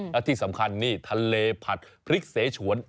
และที่สำคัญนี่ทะเลผัดพริกเสฉวน